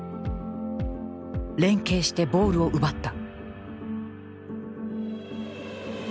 連係してボールを奪った。